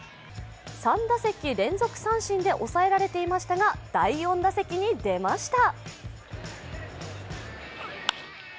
３打席連続三振で抑えられていましたが第４打席に出ました。